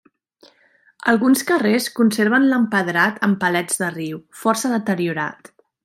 Alguns carrers conserven l'empedrat amb palets de riu, força deteriorat.